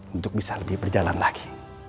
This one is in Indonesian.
untuk bisa lebih berjalan lagi